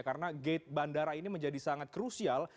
karena gate bandara ini menjadi sangat krusial